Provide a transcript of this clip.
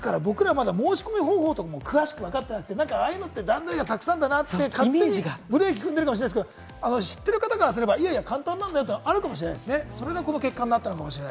僕らは、まだ申し込み方法とかも詳しく分かってなくて、ああいうのはたくさんだなって勝手にブレーキ踏んでるかもしれないですけど、知ってる方からすれば簡単だよっていうのがあるかもしれないですね。